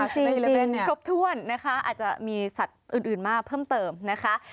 ครบถ้วนนะคะอาจจะมีสัตว์อื่นมากเพิ่มเติมนะคะ